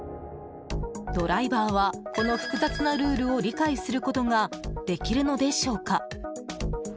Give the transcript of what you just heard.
ドライバーはこの複雑なルールを理解することができるのでしょうか？